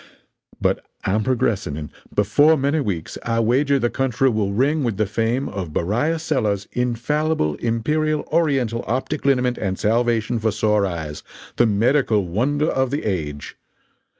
But I'm progressing, and before many weeks I wager the country will ring with the fame of Beriah Sellers' Infallible Imperial Oriental Optic Liniment and Salvation for Sore Eyes the Medical Wonder of the Age!